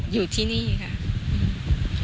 อยู่ที่นี่ครับ